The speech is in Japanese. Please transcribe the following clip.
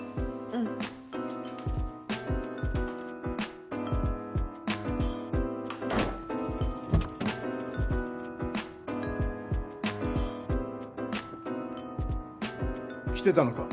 うん。来てたのか。